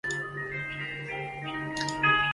确保此专案可以顺利进行